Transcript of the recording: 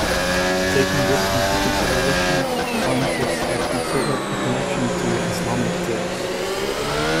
Taking this into consideration, scientists have considered a connection to Islamic tales.